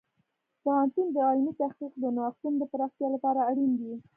پوهنتون د علمي تحقیق د نوښتونو د پراختیا لپاره اړین دی.